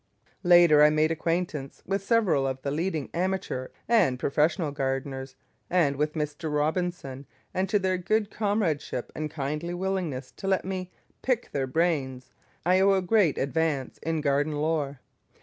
Later I made acquaintance with several of the leading amateur and professional gardeners, and with Mr. Robinson, and to their good comradeship and kindly willingness to let me "pick their brains" I owe a great advance in garden lore.